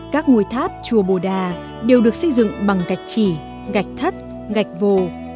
các ngôi tháp chùa bổ đà đều được xây dựng bằng gạch chỉ gạch thất gạch vồ